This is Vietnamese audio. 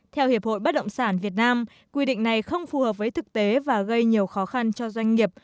theo hiệp hội bất động sản việt nam quy định này không phù hợp với thực tế và gây nhiều khó khăn cho doanh nghiệp